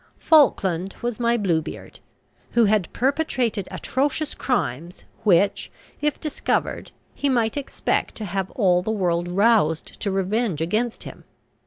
Falkland was my Bluebeard, who had perpetrated atrocious crimes, which, if discovered, he might expect to have all the world roused to revenge against him.